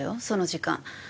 その時間。